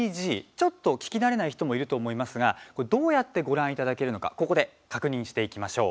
ちょっと聞き慣れない人もいると思いますがどうやってご覧いただけるのかここで確認していきましょう。